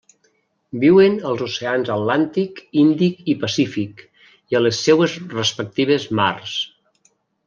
Viuen als oceans Atlàntic, Índic i Pacífic, i a les seues respectives mars.